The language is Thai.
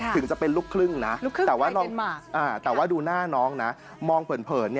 ถึงจะเป็นลูกครึ่งนะแต่ว่าดูหน้าน้องนะมองเผิน